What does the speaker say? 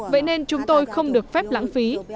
vậy nên chúng tôi không được phép lãng phí